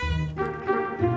alia gak ada ajak rapat